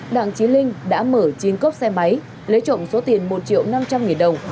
đặng trí linh đã mở chín cốc xe máy lấy trộm số tiền một triệu năm trăm linh nghìn đồng